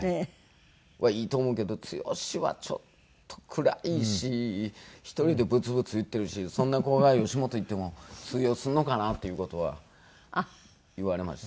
「はいいと思うけど剛はちょっと暗いし１人でブツブツ言ってるしそんな子が吉本行っても通用するのかな？」という事は言われましたけど。